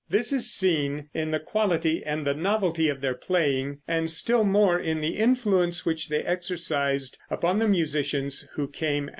This is seen in the quality and the novelty of their playing, and still more in the influence which they exercised upon the musicians who came after.